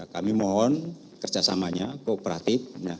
kami mohon kerjasamanya kooperatif